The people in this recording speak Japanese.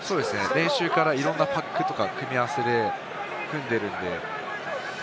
練習からいろんなパックとか組み合わせで組んでいるんで。